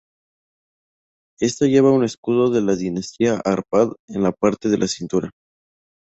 Esta lleva un escudo de la dinastía Árpád en la parte de la cintura.